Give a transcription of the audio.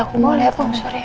aku mau lihat om surya